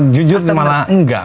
jujur malah enggak